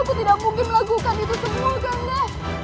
aku tidak mungkin melakukan itu semua ganda